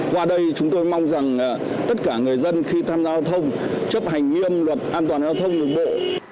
qua đây chúng tôi mong rằng tất cả người dân khi tham gia giao thông chấp hành nghiêm luật an toàn giao thông đường bộ